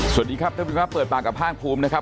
สวัสดีครับท่านผู้ชมครับเปิดปากกับภาคภูมินะครับ